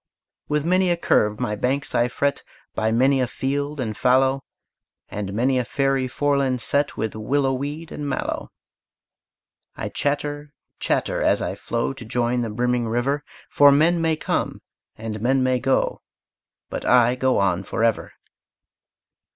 With many a curve my banks I fret, By many a field and fallow, And many a fairy foreland set With willow weed and mallow. I chatter, chatter, as I flow To join the brimming river; For men may come and men may go, But I go on forever.